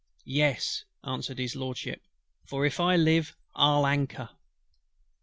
"Yes," answered HIS LORDSHIP; "for if I live, I'll anchor."